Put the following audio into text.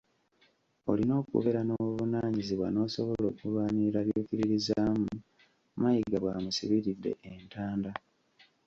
"Olina okubeera n'obuvunaanyizibwa n'osobola okulwanirira by'okkiririzaamu," Mayiga bw'amusibiridde entanda.